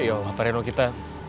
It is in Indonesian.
ya allah farenu kita